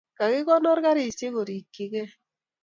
kakikonor karisiek korikchigei.